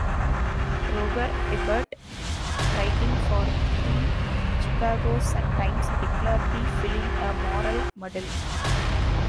Roger Ebert, writing for the "Chicago Sun-Times", declared the film a "moral muddle".